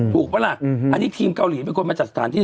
ถูกปะละอันนี้ทีมเกาหลีคือไปจัดสถานที่